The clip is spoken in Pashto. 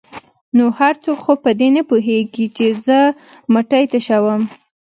ـ نو هر څوک خو په دې نه پوهېږي چې زه مټۍ تشوم.